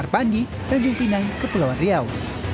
bandi dan jum'inan kepulauan riau